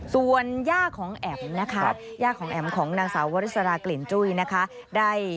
ส่วนย่าของแอ๋มนะคะย่าของแอ๋มของนางสาววริสรากลิ่นจุ้ยนะคะ